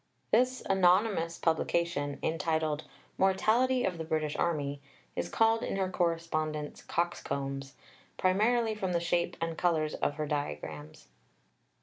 This anonymous publication entitled Mortality of the British Army is called in her correspondence Coxcombs, primarily from the shape and colours of her diagrams.